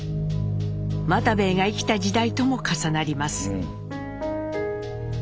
又兵衛が生きた時代とも重なります。